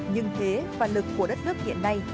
nhưng thế và lực của đất nước hiện nay